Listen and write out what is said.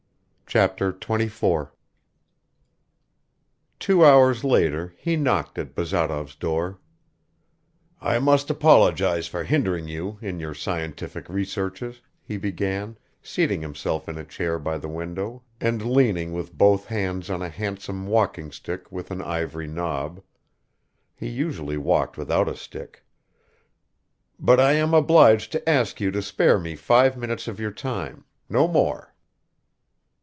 Chapter 24 TWO HOURS LATER HE KNOCKED AT BAZAROV'S DOOR. "I must apologize for hindering you in your scientific researches," he began, seating himself in a chair by the window and leaning with both hands on a handsome walking stick with an ivory knob (he usually walked without a stick), "but I am obliged to ask you to spare me five minutes of your time ... no more."